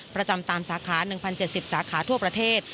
ประจำตามสาขา๑๐๗๐สาขาทั่วประเทศ